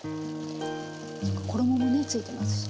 そうか衣もねついてますしね。